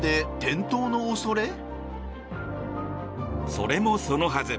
それもそのはず。